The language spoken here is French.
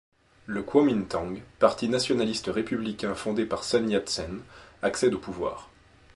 Le Kuomintang, parti nationaliste républicain fondé par Sun Yat-sen, accède au pouvoir.